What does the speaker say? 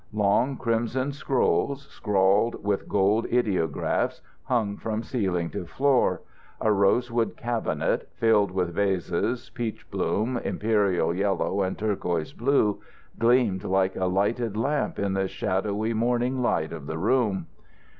Long crimson scrolls, sprawled with gold ideographs, hung from ceiling to floor. A rosewood cabinet, filled with vases, peach bloom, imperial yellow, and turquoise blue, gleamed like a lighted lamp in the shadowy morning light of the room.